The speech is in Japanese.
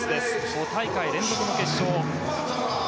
５大会連続の決勝。